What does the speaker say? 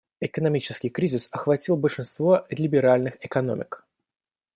Экономический кризис охватил большинство либеральных экономик.